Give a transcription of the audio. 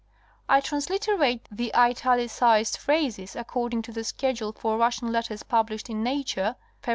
I transliterate the italicized phrases according to the schedule for Russian letters published in Natwre, Feb.